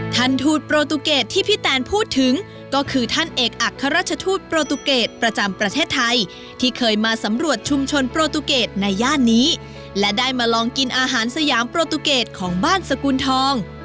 ท่านทูตโปรตูเกตที่พี่แตนพูดถึงก็คือท่านเอกอัครราชทูตโปรตูเกตประจำประเทศไทยที่เคยมาสำรวจชุมชนโปรตูเกตในย่านนี้และได้มาลองกินอาหารสยามโปรตูเกตของบ้านสกุลทอง